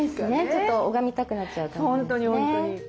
ちょっと拝みたくなっちゃう感じですね。